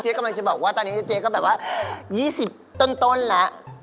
กำลังจะบอกว่าตอนนี้เจ๊ก็แบบว่า๒๐ต้นแล้ว